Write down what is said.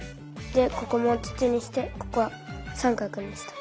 でここもつつにしてここはさんかくにした。